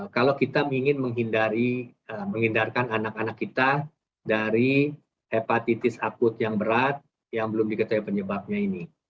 kalau kita ingin menghindarkan anak anak kita dari hepatitis akut yang berat yang belum diketahui penyebabnya ini